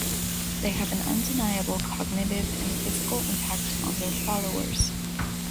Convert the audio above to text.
They have an undeniable cognitive and physical impact on their followers.